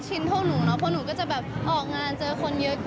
จริงก็เป็นคนสนิทกันค่ะก็อย่างที่คุณพ่อบอก